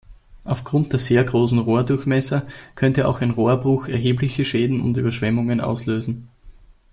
Aufgrund der sehr großen Rohrdurchmesser könnte auch ein Rohrbruch erhebliche Schäden und Überschwemmungen auslösen.